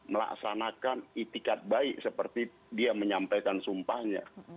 melaksanakan itikat baik seperti dia menyampaikan sumpahnya